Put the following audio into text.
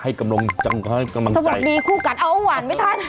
ให้กำลังจังให้กำลังใจสมบัติดีคู่กัดเอาหวานไหมท่าน